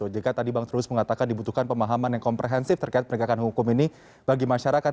jika tadi bang trubus mengatakan dibutuhkan pemahaman yang komprehensif terkait penegakan hukum ini bagi masyarakat